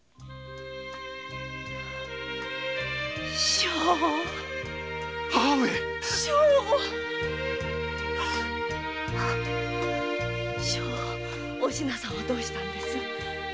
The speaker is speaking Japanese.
将翁母上お品さんはどうしたんです？